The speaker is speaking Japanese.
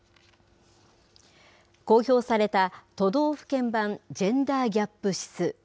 公表された都道府県版ジェンダー・ギャップ指数。